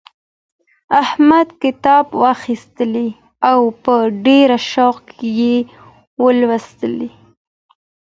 احمد کتاب واخیستی او په ډېر شوق یې ولوستی.